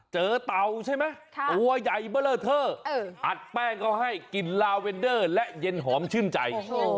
เต่าใช่ไหมตัวใหญ่เบอร์เลอร์เทอร์อัดแป้งเขาให้กลิ่นลาเวนเดอร์และเย็นหอมชื่นใจ